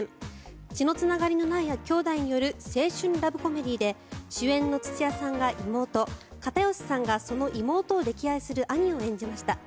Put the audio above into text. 血のつながりのない兄妹による青春ラブコメディーで主演の土屋さんが妹片寄さんがその妹を溺愛する兄を演じました。